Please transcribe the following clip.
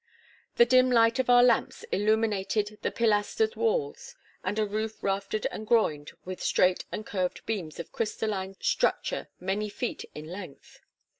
The dim light of our lamps illuminated the pilastered walls, and a roof raftered and groined with straight and curved beams of crystalline structure many feet in length.